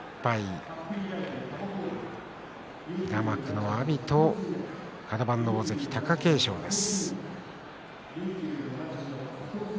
３勝１敗同士、平幕の阿炎とカド番の大関、貴景勝です。